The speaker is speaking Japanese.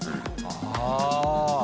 ああ。